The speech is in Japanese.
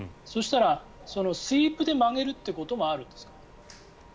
そしたら、スイープで曲げるってこともあるんですか？